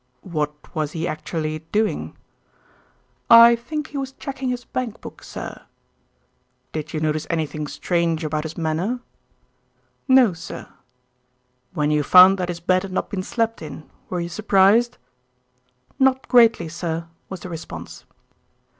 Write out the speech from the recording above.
"What was he actually doing?" "I think he was checking his bankbook, sir." "Did you notice anything strange about his manner?" "No, sir." "When you found that his bed had not been slept in were you surprised?" "Not greatly, sir," was the response.